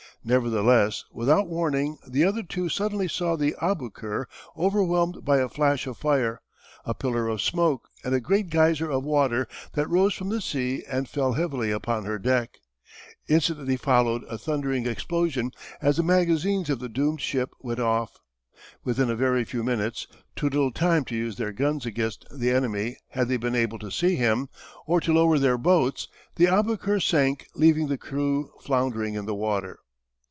Nevertheless without warning the other two suddenly saw the Aboukir overwhelmed by a flash of fire, a pillar of smoke and a great geyser of water that rose from the sea and fell heavily upon her deck. Instantly followed a thundering explosion as the magazines of the doomed ship went off. Within a very few minutes, too little time to use their guns against the enemy had they been able to see him, or to lower their boats, the Aboukir sank leaving the crew floundering in the water.